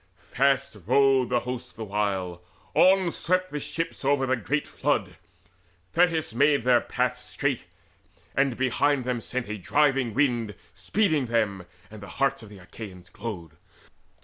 ] Fast rowed the host the while; on swept the ships Over the great flood: Thetis made their paths Straight, and behind them sent a driving wind Speeding them, and the hearts Achaean glowed.